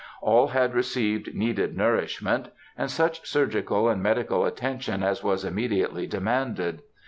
All had received needed nourishment, and such surgical and medical attention as was immediately demanded.